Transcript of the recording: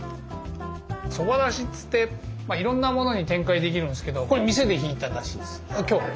そばだしっつっていろんなものに展開できるんですけどこれ店でひいただしです今日。